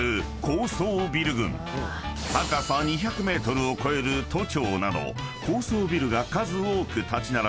［高さ２００ｍを超える都庁など高層ビルが数多く立ち並び